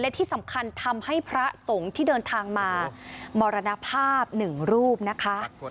และที่สำคัญทำให้พระสงฆ์ที่เดินทางมามรณภาพหนึ่งรูปนะคะ